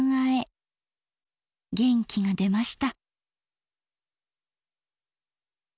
元気が出ました。